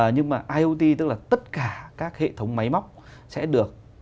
nhưng mà iot tức là tất cả các hệ thống máy móc sẽ được